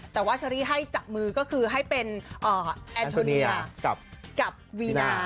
แต่ว่าเชอรี่ให้จับมือก็คือให้เป็นแอนโทเนียกับวีนา